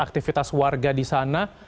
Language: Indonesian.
aktivitas warga di sana